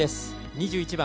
２１番。